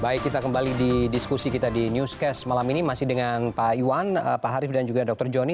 baik kita kembali di diskusi kita di newscast malam ini masih dengan pak iwan pak harif dan juga dr joni